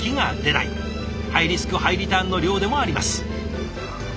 ハイリスクハイリターンの漁でもあります。